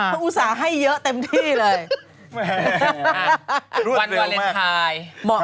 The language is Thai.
ดูเป็นแบบอุตส่าห์ให้เยอะเต็มที่เลย